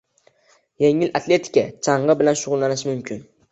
Yengil atletika, chang‘i bilan shug‘ullanish mumkin.